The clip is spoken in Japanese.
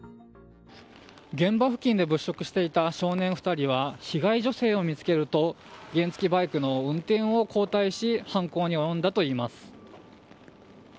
現場付近で物色していた少年２人は被害女性を見つけると原付きバイクの運転を交代し犯行に及んだといいます。